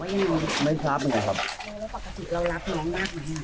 ปกติเรารับน้องมากไหม